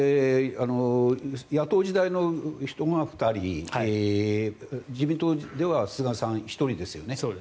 野党時代の人が２人自民党では菅さん１人ですよね。